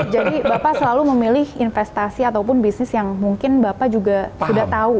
jadi bapak selalu memilih investasi ataupun bisnis yang mungkin bapak juga sudah tahu